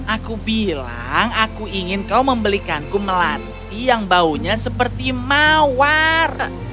aku bilang aku ingin kau membelikanku melati yang baunya seperti mawar